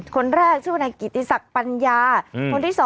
คนแรกชื่อว่านายกิติศักดิ์ปัญญาคนที่๒